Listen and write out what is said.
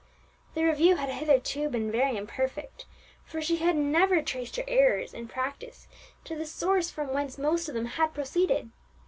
The review had hitherto been very imperfect, for she had never traced her errors in practice to the source from whence most of them had proceeded.